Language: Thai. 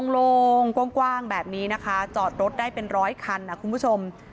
ลงกว้างแบบนี้นะคะจอดรถได้เป็นร้อยคันนะคุณผู้ชม